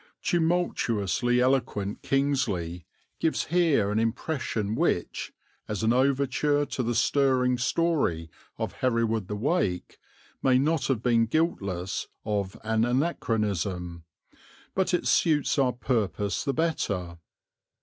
Tumultuously eloquent Kingsley gives here an impression which, as an overture to the stirring story of Hereward the Wake may not have been guiltless of anachronism; but it suits our purpose the better.